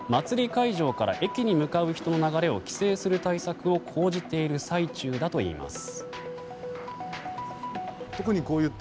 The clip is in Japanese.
会場から駅に向かう人の流れを規制する対策を講じている最中だといいます。